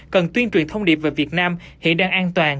cần tuyên truyền thông điệp về việt nam hiện đang an toàn